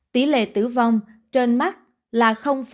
tỷ lệ tử vong trên mắc là ba